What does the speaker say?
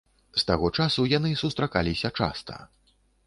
З таго часу яны сустракаліся часта.